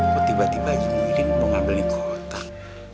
kok tiba tiba ini mau ngambilin kotak